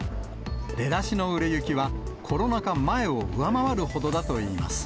出だしの売れ行きは、コロナ禍前を上回るほどだといいます。